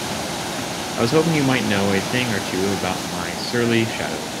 I was hoping you might know a thing or two about my surly shadow?